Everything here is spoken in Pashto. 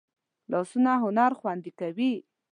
لاسونه هنر خوندي کوي